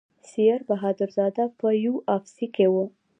سیر بهادر زاده په یو اف سي کې و.